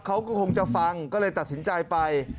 เขาก็คงจะฟังก็เลยตัดสินใจไป